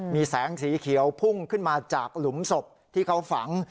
มีแสงสีเขียวพุ่งขึ้นมาจากหลุมศพที่เขาฝัง